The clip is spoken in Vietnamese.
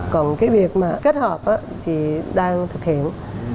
còn cái việc mà kết hợp thì đang thực hiện